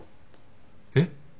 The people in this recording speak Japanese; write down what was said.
えっ？